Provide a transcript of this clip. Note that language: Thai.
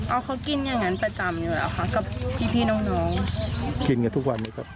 อ้าวเขากินอย่างงั้นประจำอยู่เนอะครับกับพี่น้องกินง่ะทุกวันนี้ครับ